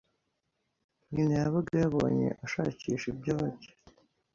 nyina yabaga yabonye ashakisha ibyo barya.